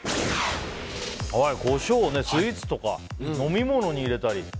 コショウをスイーツとか飲み物に入れたり。